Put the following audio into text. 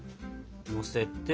のせて。